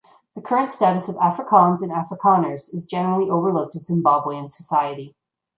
The current status of Afrikaans and Afrikaners is generally overlooked in Zimbabwean society.